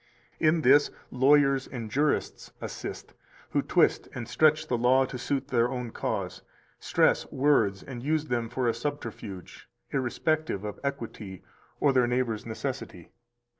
299 In this lawyers and jurists assist, who twist and stretch the law to suit it to their cause, stress words and use them for a subterfuge, irrespective of equity or their neighbor's necessity.